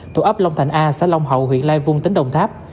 thuộc ấp long thành a xã long hậu huyện lai vung tỉnh đồng tháp